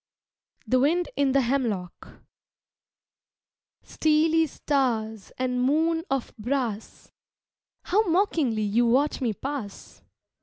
The Wind in the Hemlock Steely stars and moon of brass, How mockingly you watch me pass!